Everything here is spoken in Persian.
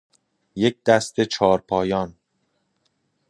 یک دسته چارپایان